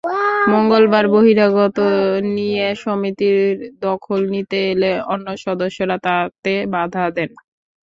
মঙ্গলবার বহিরাগতদের নিয়ে সমিতির দখল নিতে এলে অন্য সদস্যরা তাতে বাধা দেন।